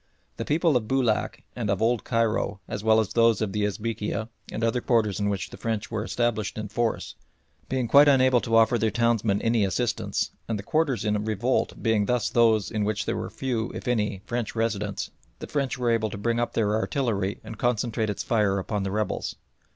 The people of Boulac and of Old Cairo, as well as those of the Esbekieh and other quarters in which the French were established in force, being quite unable to offer their townsmen any assistance, and the quarters in revolt being thus those in which there were few, if any, French residents, the French were able to bring up their artillery and concentrate its fire upon the rebels.